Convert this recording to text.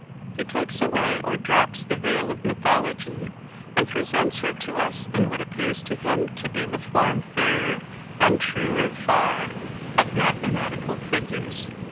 He takes away or drops the veil of mythology, and presents her to us in what appears to him to be the form fairer and truer far—of mathematical figures.